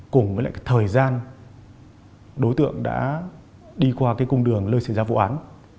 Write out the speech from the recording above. cùng với thời gian đối tượng đã đi qua cung đường lời xảy ra vụ án